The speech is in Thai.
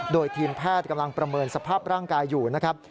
โดยทีมแพทย์กำลังประเมินสภาพร่างกายอยู่นะครับ